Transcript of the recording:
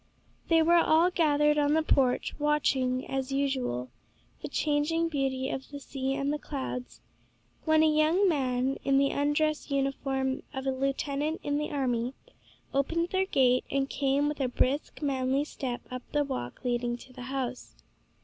They were all gathered on the porch, watching, as usual, the changing beauty of the sea and the clouds, when a young man, in the undress uniform of a lieutenant in the army, opened their gate, and came with a brisk, manly step up the walk leading to the house.